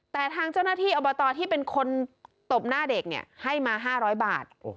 แต่ทางเจ้าหน้าที่อบตที่เป็นคนตบหน้าเด็กเนี่ยให้มา๕๐๐บาท